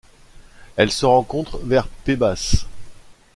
Elle se rencontre vers Pebas.